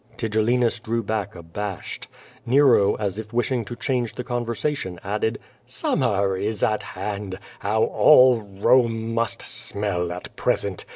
Tigellinus drew back abashed. Xero, as if wishing to change the conversation added: "Summer is at hand. How all Home must smell at present!